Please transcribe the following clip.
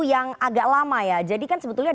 yang agak lama ya jadi kan sebetulnya